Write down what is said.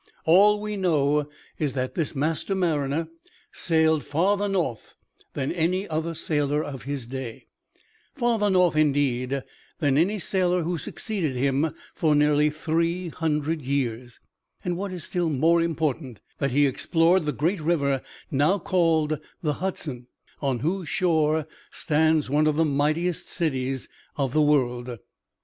All we know is that this master mariner sailed farther north than any sailor of his day farther north, indeed, than any sailor who succeeded him for nearly three hundred years and what is still more important, that he explored the great river now called the Hudson, on whose shore stands one of the mightiest cities of the world.